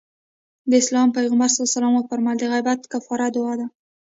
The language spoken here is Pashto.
د اسلام پيغمبر ص وفرمايل د غيبت کفاره دعا ده.